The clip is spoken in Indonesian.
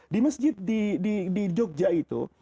di masjid di jogja itu